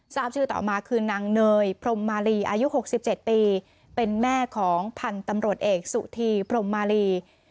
ทราบชื่อต่อมาคือนางเนยพรมมาลีอายุ๖๗ปีเป็นแม่ของพันธุ์ตำรวจเอกสุธีพรมมาลี